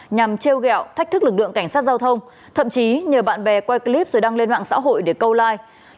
nhằm kêu gẹo thách thức lực lượng cảnh sát giao thông thậm chí nhờ bạn bè quay clip rồi đăng lên mạng xã hội để câu like